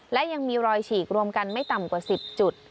และยังมีรอยฉีกรวมกันไม่ต่ำกว่า๑๐จุด